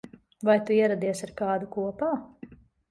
Vai tu ieradies ar kādu kopā?